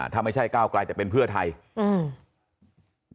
ถ้าไม่ใช่ก้าวกลายจะเป็นเพื่อไทย